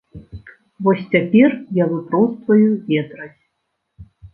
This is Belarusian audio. Вось цяпер я выпростваю ветразь.